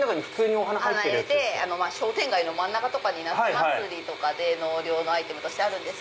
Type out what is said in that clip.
お花入れて商店街の真ん中とかに夏祭りで納涼のアイテムとしてある。